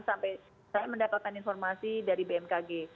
sampai saya mendapatkan informasi dari bmkg